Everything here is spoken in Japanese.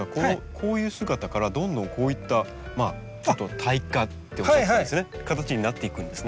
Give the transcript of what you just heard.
こういう姿からどんどんこういった帯化っておっしゃてった形になっていくんですね。